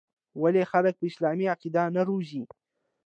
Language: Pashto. ولـې خـلـک پـه اسـلامـي عـقـيده نـه روزي.